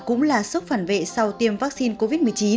cũng là sốc phản vệ sau tiêm vaccine covid một mươi chín